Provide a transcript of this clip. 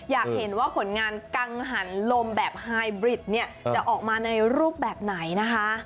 อยากเห็นว่าผลงานกังหันลมแบบไฮบริดเนี่ยจะออกมาในรูปแบบไหนนะคะ